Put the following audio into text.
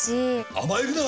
甘えるな！